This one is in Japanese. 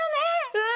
うん！